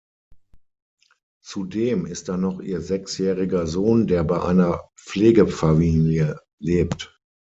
Zudem ist da noch ihr sechsjähriger Sohn, der bei einer Pflegefamilie lebt.